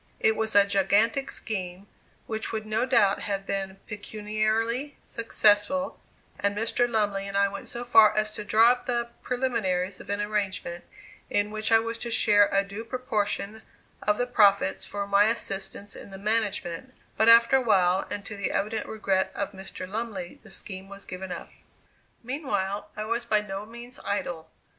It was a gigantic scheme, which would no doubt have been pecuniarily successful, and Mr. Lumley and I went so far as to draw up the preliminaries of an arrangement, in which I was to share a due proportion of the profits for my assistance in the management; but after a while, and to the evident regret of Mr. Lumley, the scheme was given up. Meanwhile, I was by no means idle.